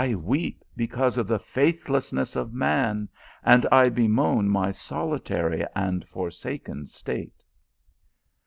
44 1 weep because of the faithlessness of man ; and I bemoan my solitary and forsaken state."